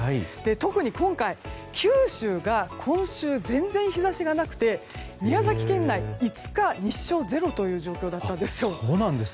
特に今回、九州が今週、全然日差しがなくて宮崎県内５日、日照ゼロという状態だったんです。